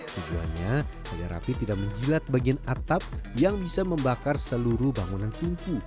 tujuannya agar rapi tidak menjilat bagian atap yang bisa membakar seluruh bangunan tungku